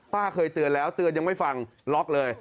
เคยเตือนแล้วเตือนยังไม่ฟังล็อกเลย